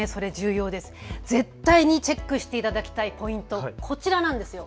絶対にチェックしていただきたいポイント、こちらなんです。